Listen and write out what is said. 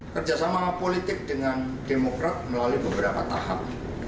kerjasama politik dengan demokrat melalui beberapa tahap